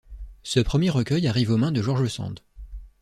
Ce premier recueil arrive aux mains de George Sand.